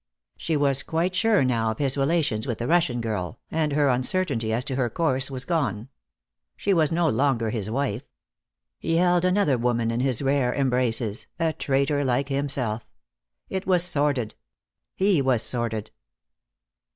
She was quite sure now of his relations with the Russian girl, and her uncertainty as to her course was gone. She was no longer his wife. He held another woman in his rare embraces, a traitor like himself. It was sordid. He was sordid.